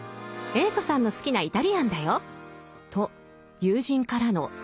Ａ子さんの好きなイタリアンだよ」と友人からの甘い誘惑。